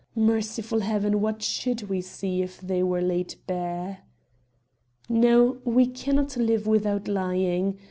Merciful Heaven! what should we see if they were laid bare? No, we cannot live without lying.